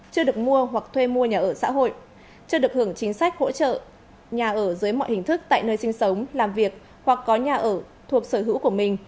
chưa được mua hoặc thuê mua nhà ở xã hội chưa được hưởng chính sách hỗ trợ nhà ở dưới mọi hình thức tại nơi sinh sống làm việc hoặc có nhà ở thuộc sở hữu của mình